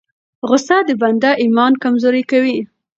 غصه د بنده ایمان کمزوری کوي.